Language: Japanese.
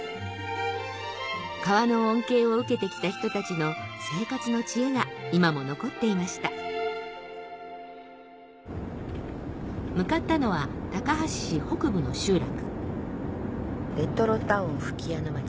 川の恩恵を受けてきた人たちの生活の知恵が今も残っていました向かったのは高梁市北部の集落「レトロタウン吹屋の町」。